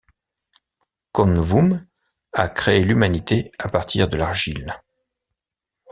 Khonvoum a créé l'humanité à partir de l'argile.